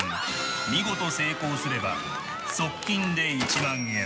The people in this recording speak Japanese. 見事成功すれば、即金で１万円。